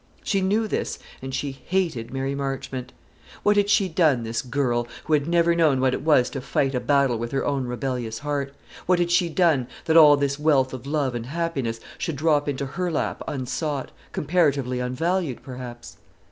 She knew this, and she hated Mary Marchmont. What had she done, this girl, who had never known what it was to fight a battle with her own rebellious heart? what had she done, that all this wealth of love and happiness should drop into her lap unsought, comparatively unvalued, perhaps?